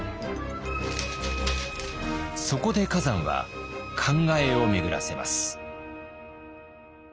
そこで崋山は考えを巡らせます。